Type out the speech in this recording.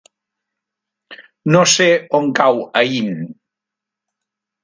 No sé on cau Aín.